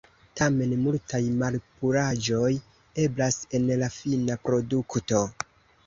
Tamen multaj malpuraĵoj eblas en la fina produkto.